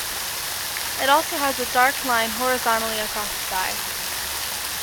It also has a dark line horizontally across its eye.